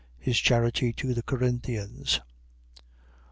His charity to the Corinthians.